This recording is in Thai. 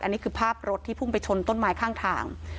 อันนี้คือภาพรถที่พุ่งไปชนต้นไม้ข้างทาง